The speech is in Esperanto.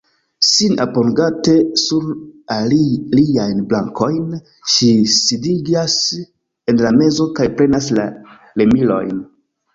Sin apogante sur liajn brakojn, ŝi sidiĝas en la mezo kaj prenas la remilojn.